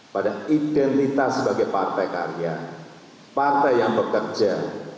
pada identitas sebagai partai karya partai yang bekerja